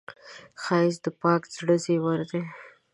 ښایست د پاک زړه زیور دی